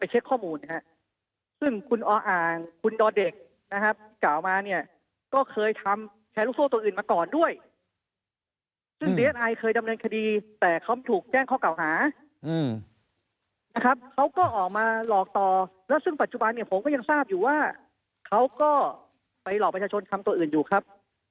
หลอกมันชะชนทำตัวอื่นอยู่ครับ